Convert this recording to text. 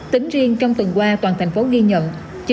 tính riêng trong tuần qua toàn tp hcm ghi nhận